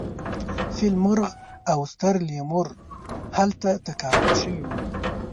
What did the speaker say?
فیل مرغ او ستر لیمور هلته تکامل شوي وو.